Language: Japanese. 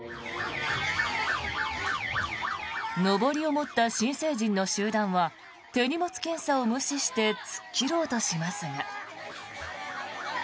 のぼりを持った新成人の集団は手荷物検査を無視して突っ切ろうとしますが。